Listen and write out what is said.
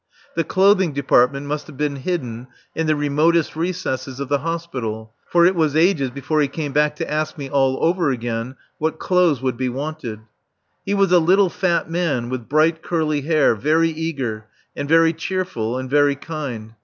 The clothing department must have been hidden in the remotest recesses of the Hospital, for it was ages before he came back to ask me all over again what clothes would be wanted. He was a little fat man with bright, curly hair, very eager, and very cheerful and very kind.